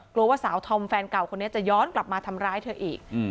กลัวว่าสาวธอมแฟนเก่าคนนี้จะย้อนกลับมาทำร้ายเธออีก